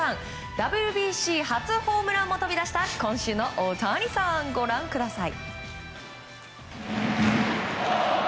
ＷＢＣ初ホームランも飛び出した今週の大谷さん、ご覧ください。